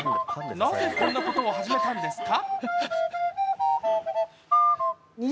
なぜ、こんなことを始めたんですか？